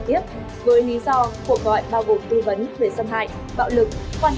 với lý do cuộc gọi bao gồm tư vấn về xâm hại bạo lực quan hệ ứng xử hoặc liên quan đến pháp luật